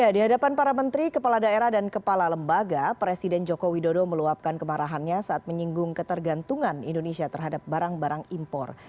di hadapan para menteri kepala daerah dan kepala lembaga presiden joko widodo meluapkan kemarahannya saat menyinggung ketergantungan indonesia terhadap barang barang impor